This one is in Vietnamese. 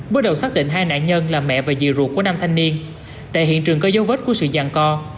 bước đầu xác định hai nạn nhân là mẹ và diều ruột của nam thanh niên tại hiện trường có dấu vết của sự giàn co